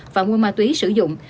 và mua ma túy sử dụng